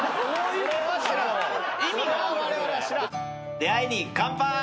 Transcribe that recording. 出会いに乾杯。